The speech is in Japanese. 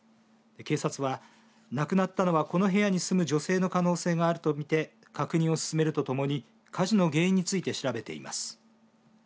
警察は亡くなったのはこの部屋に住む女性の可能性があると見て確認を進めるとともに火事の原因について調べています。